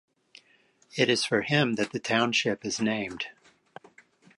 It is for him that the township is named.